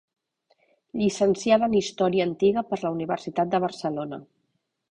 Llicenciada en història antiga per la Universitat de Barcelona.